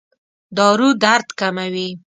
دارو درد کموي؟